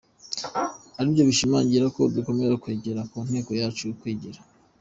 Aribyo bishimangira ko dukomeje kugera ku ntego yacu yo kwigira.